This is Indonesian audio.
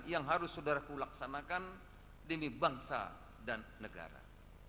yang harus saudaraku laksanakan demi bangsa dan negara